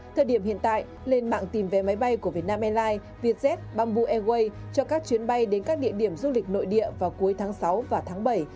thời điểm hiện tại lên mạng tìm vé máy bay của vietnam airlines vietjet bamboo airways cho các chuyến bay đến các địa điểm du lịch nội địa vào cuối tháng sáu và tháng bảy